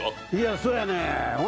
そやねん。